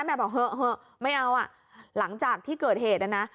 แม่บอกไม่เอาหลังจากที่เกิดเหตุนะ